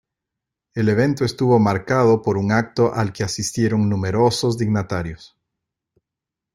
El evento estuvo marcado por un acto al que asistieron numerosos dignatarios.